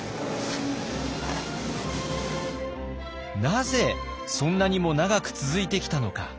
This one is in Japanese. なぜそんなにも長く続いてきたのか。